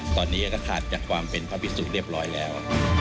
ตอนนี้ก็ขาดจากความเป็นพระพิสุเรียบร้อยแล้ว